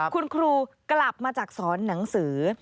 คุณครูกลับมาจากสอนหนังสือ